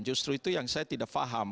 justru itu yang saya tidak paham